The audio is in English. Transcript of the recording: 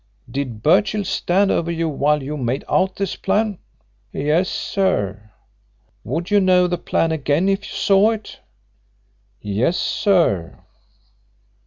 "Did Birchill stand over you while you made out this plan?" "Yes, sir." "Would you know the plan again if you saw it?" "Yes, sir."